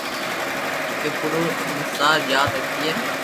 ڪو پورو سنسار ياد رکئي